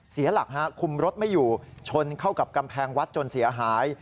เสียหลักฮะคุมรถไม่อยู่ชนเข้ากับกำแพงวัดจนเสียหาย